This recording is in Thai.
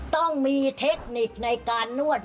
ต้องมีเทคนิคในการนวด